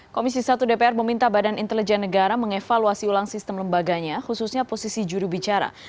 komisi satu dpr meminta badan intelijen negara mengevaluasi ulang sistem lembaganya khususnya posisi jurubicara